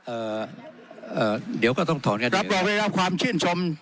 เอ่อเอ่อเดี๋ยวก็ต้องถอนกันรับรองได้รับความชื่นชม